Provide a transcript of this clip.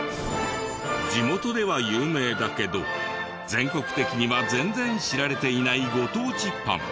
地元では有名だけど全国的には全然知られていないご当地パン。